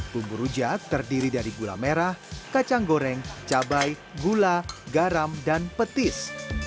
bumbu rujak terdiri dari gula merah kacang goreng cabai gula garam dan petis